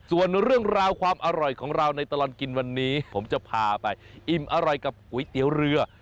ส่วนเรื่องราวความอร่อยของเราในตลอดกินวันนี้ผมจะพาไปอิ่มอร่อยกับก๋วยเตี๋ยวเรือ